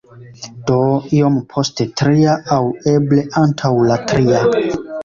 Do, iom post tria aŭ eble antaŭ la tria